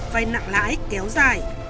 vay nặng lãi kéo dài